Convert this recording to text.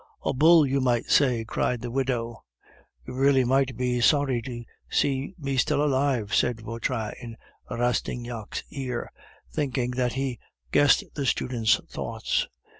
"A bull you might say," cried the widow. "You really might be sorry to see me still alive," said Vautrin in Rastignac's ear, thinking that he guessed the student's thoughts.